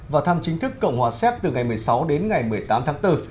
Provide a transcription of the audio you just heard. và thăm chính thức cộng hòa séc từ ngày một mươi sáu đến ngày một mươi tám tháng bốn